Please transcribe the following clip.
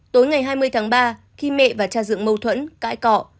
tối ngày hai mươi tháng ba khi mẹ và cha dựng mâu thuẫn cãi cọ